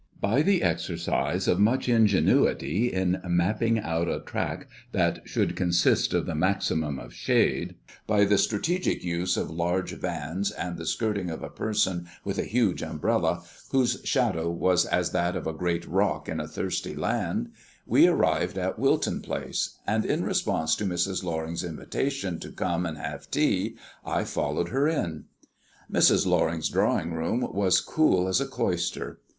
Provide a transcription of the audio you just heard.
By the exercise of much ingenuity in mapping out a track that should consist of the maximum of shade, by the strategic use of large vans and the skirting of a person with a huge umbrella, whose shadow was as that of a great rock in a thirsty land, we arrived at Wilton Place, and, in response to Mrs. Loring's invitation to come and have tea, I followed her in. Mrs. Loring's drawing room was cool as a cloister.